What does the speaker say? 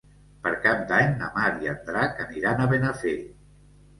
Per Cap d'Any na Mar i en Drac aniran a Benafer.